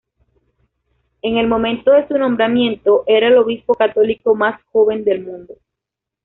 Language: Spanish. En el momento de su nombramiento era el obispo católico más joven del mundo.